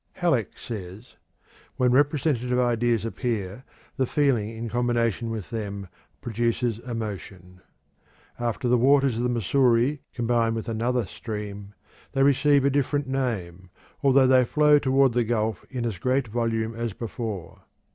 Halleck says: "When representative ideas appear, the feeling in combination with them produces emotion. After the waters of the Missouri combine with another stream, they receive a different name, although they flow toward the gulf in as great volume as before.